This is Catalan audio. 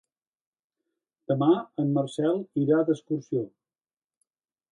Demà en Marcel irà d'excursió.